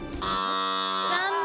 残念！